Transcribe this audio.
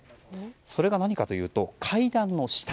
それが何かというと階段の下。